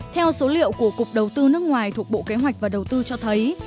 theo số liệu của cục đầu tư nước ngoài thuộc bộ kế hoạch và đầu tư cho thấy